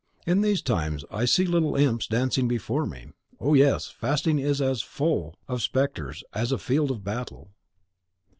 In these times I see little imps dancing before me. Oh, yes; fasting is as full of spectres as a field of battle."